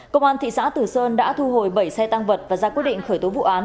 công an thị xã tử sơn đã thu hồi bảy xe tăng vật và ra quyết định khởi tố vụ án